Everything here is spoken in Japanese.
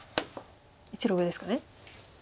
１路上ですかね。